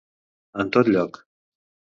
En tot lloc.